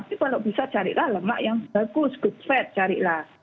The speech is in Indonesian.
tapi kalau bisa carilah lemak yang bagus good fat carilah